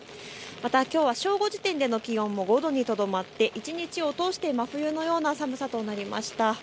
またきょうは正午時点での気温も５度にとどまって一日を通して真冬のような寒さでした。